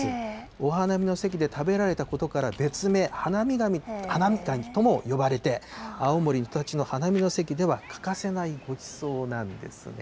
お花見の席で食べられたことから、別名、花見ガニとも呼ばれて、青森の人たちの花見の席では欠かせないごちそうなんですね。